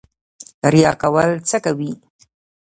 ریا کول څه کوي؟